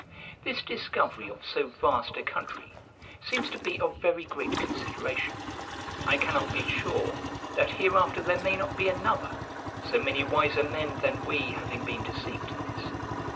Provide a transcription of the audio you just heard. This discovery of so vast a country seems to be of very great consideration. I cannot be sure, that hereafter there may not be another, so many wiser men than we having been deceived in this.